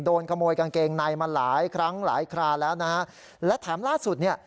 โดนขโมยกางเกงในมาหลายครั้งหลายคราแล้วนะฮะและแถมล่าสุดเนี่ย